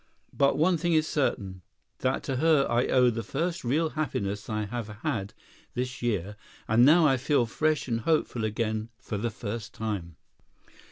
But one thing is certain—that to her I owe the first real happiness I have had this year, and now I feel fresh and hopeful again for the first time.